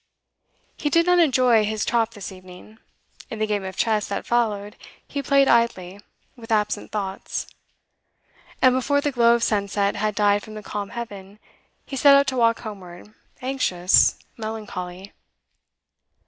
He did not enjoy his chop this evening. In the game of chess that followed he played idly, with absent thoughts. And before the glow of sunset had died from the calm heaven he set out to walk homeward, anxious, melancholy.